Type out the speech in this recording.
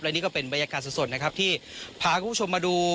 นี่ก็เป็นบรรยากาศสดนะครับที่พาคุณผู้ชมมาดู